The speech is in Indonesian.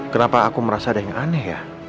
kenapa aku merasa ada yang aneh ya